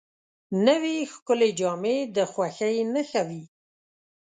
نوې ښکلې جامې د خوښۍ نښه وي